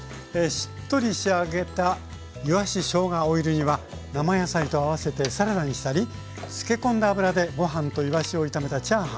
しっとり仕上げたいわししょうがオイル煮は生野菜と合わせてサラダにしたりつけ込んだ油でご飯といわしを炒めたチャーハン。